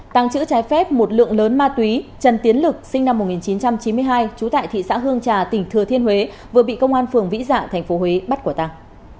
tăng chữ trái phép một lượng lớn ma túy trần tiến lực sinh năm một nghìn chín trăm chín mươi hai trú tại thị xã hương trà tỉnh thừa thiên huế vừa bị công an phường vĩ dạ tp huế bắt quả tàng